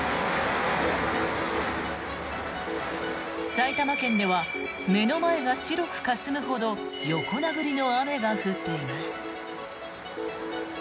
埼玉県では目の前が白くかすむほど横殴りの雨が降っています。